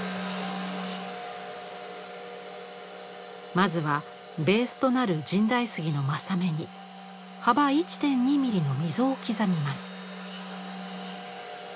まずはベースとなる神代杉の柾目に幅１．２ミリの溝を刻みます。